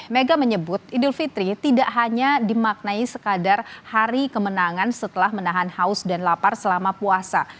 mega menyebut idul fitri tidak hanya dimaknai sekadar hari kemenangan setelah menahan haus dan lapar selama puasa